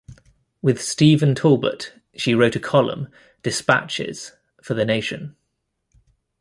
With Stephen Talbot she wrote a column, Dispatches, for The Nation.